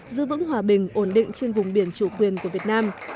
giữ vững hòa bình ổn định trên vùng biển chủ quyền của việt nam